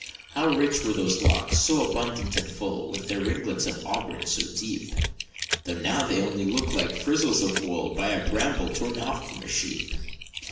How rich were those locks, so abundant and full, With their ringlets of auburn so deep! Though now they look only like frizzles of wool, By a bramble torn off from a sheep!